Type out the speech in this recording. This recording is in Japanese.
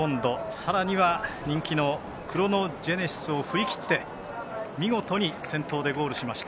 さらには人気のクロノジェネシスを振り切って見事に先頭でゴールしました。